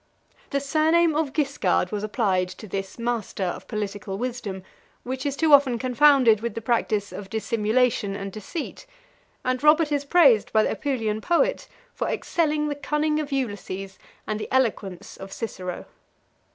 The surname of Guiscard 42 was applied to this master of political wisdom, which is too often confounded with the practice of dissimulation and deceit; and Robert is praised by the Apulian poet for excelling the cunning of Ulysses and the eloquence of Cicero.